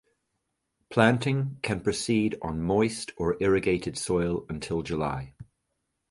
Planting can proceed on moist or irrigated soil until July.